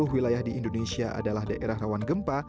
sepuluh wilayah di indonesia adalah daerah rawan gempa